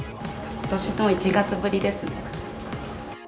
ことしの１月ぶりですね。